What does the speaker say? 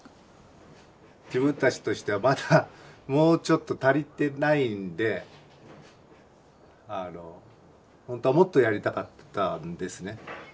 自分たちとしてはまだもうちょっと足りてないんでほんとはもっとやりたかったんですね。